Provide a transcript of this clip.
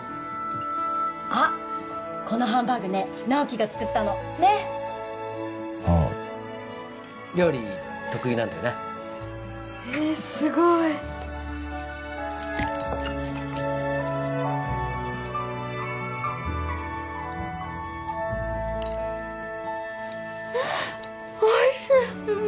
あっこのハンバーグね直木が作ったのねっああ料理得意なんだよなえっすごいうんおいしい！